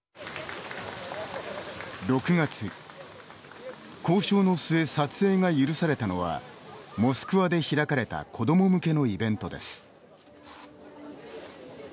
６月交渉の末撮影が許されたのはモスクワで開かれた子ども向けのイベントです。